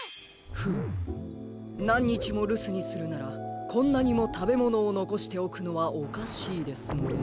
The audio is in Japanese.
フムなんにちもるすにするならこんなにもたべものをのこしておくのはおかしいですね。